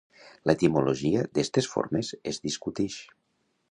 L'etimologia d'estes formes es discutix.